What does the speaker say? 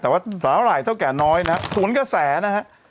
แต่ว่าสาหร่ายเท่าแก่น้อยนะฮะสวนกระแสนะฮะ